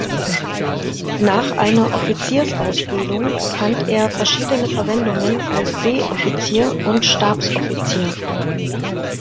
Nach einer Offiziersausbildung fand er verschiedene Verwendungen als Seeoffizier und Stabsoffizier.